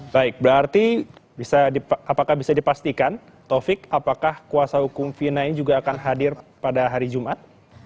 baik berarti apakah bisa dipastikan taufik apakah kuasa hukum fina ini juga akan hadir pada hari jumat